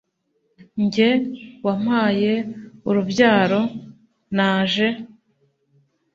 njye wampaye urubyaro, naje